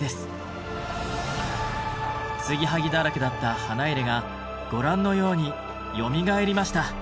継ぎはぎだらけだった花入がご覧のようによみがえりました。